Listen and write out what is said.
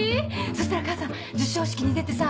そしたら母さん授賞式に出てさ